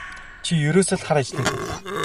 Чи ерөөсөө л хар ажлын хүн.